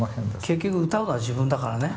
結局歌うのは自分だからね。